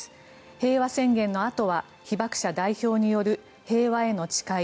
平和宣言のあとは被爆者代表による平和への誓い。